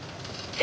え！